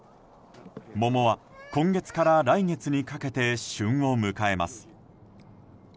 桃は、今月から来月にかけて旬を迎えます。